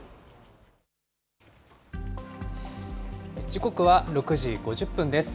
時刻は６時５０分です。